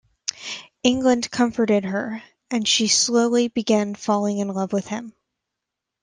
England comforted her and she slowly began falling in love with him.